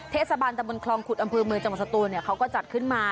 เทศบาลตะบนคลองขุดอำเภอเมืองจังหวัดสตูนเขาก็จัดขึ้นมา